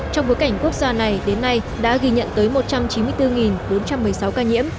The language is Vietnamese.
trong bối cảnh quốc gia này đến nay đã ghi nhận tới một trăm chín mươi bốn bốn trăm một mươi sáu ca nhiễm